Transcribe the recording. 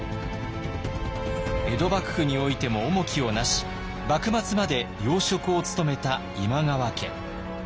江戸幕府においても重きをなし幕末まで要職を務めた今川家。